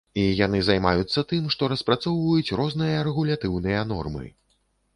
І яны займаюцца тым, што распрацоўваюць розныя рэгулятыўныя нормы.